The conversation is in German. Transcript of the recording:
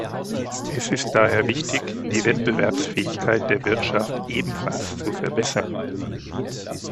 Es ist daher wichtig, die Wettbewerbsfähigkeit der Wirtschaft ebenfalls zu verbessern.